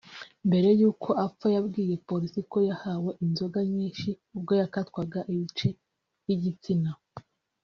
Mbere y’uko apfa yabwiye polisi ko yahawe inzoga nyinshi ubwo yakatwaga ibice by’igitsina